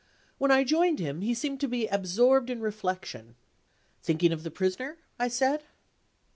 When I joined him he seemed to be absorbed in reflection. "Thinking of the Prisoner?" I said.